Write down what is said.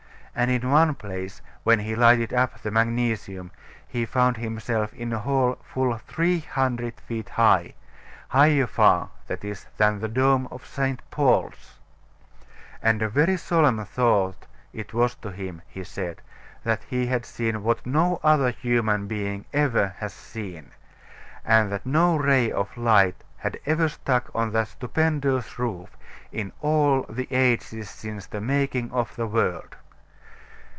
And in one place, when he lighted up the magnesium, he found himself in a hall full 300 feet high higher far, that is, than the dome of St. Paul's and a very solemn thought it was to him, he said, that he had seen what no other human being ever had seen; and that no ray of light had ever struck on that stupendous roof in all the ages since the making of the world.